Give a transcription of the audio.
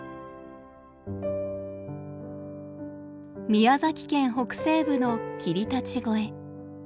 宮崎県北西部の霧立越。